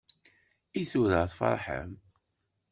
I tura tfarḥem?